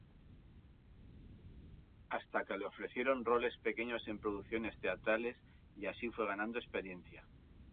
Hasta que le ofrecieron roles pequeños en producciones teatrales, y así fue ganando experiencia.